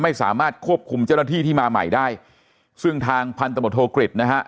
ไม่สามารถควบคุมเจ้าหน้าที่ที่มาใหม่ได้ซึ่งทางพันธบทโทกฤษนะฮะ